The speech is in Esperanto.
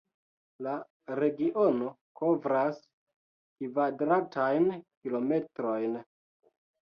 La regiono kovras kvadratajn kilometrojn.